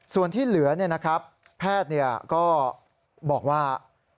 ส่วนที่เหลือแพทย์ก็บอกว่า